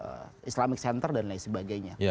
berarti islamatik itu di islamic center dan lain sebagainya